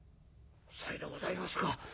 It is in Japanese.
「さいでございますか。